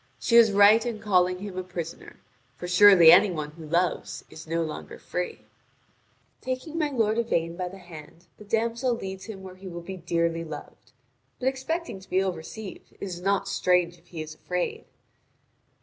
She is right in calling him a prisoner; for surely any one who loves is no longer free. (Vv. 1943 2036.) Taking my lord Yvain by the hand, the damsel leads him where he will be dearly loved; but expecting to be ill received, it is not strange if he is afraid.